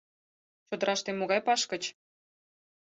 Чодыраште могай пашкыч?